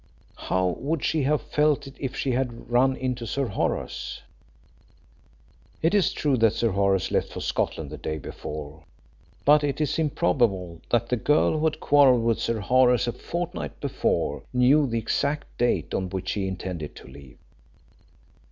How would she have felt if she had run into Sir Horace? It is true that Sir Horace left for Scotland the day before, but it is improbable that the girl who had quarrelled with Sir Horace a fortnight before knew the exact date on which he intended to leave.